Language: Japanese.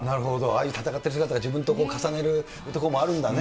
ああいう戦ってる姿が自分と重ねるところもあるんだね。